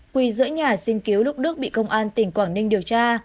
quỳ giữa nhà xin cứu lúc đức bị công an tỉnh quảng ninh điều tra